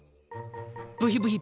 ブヒブヒ。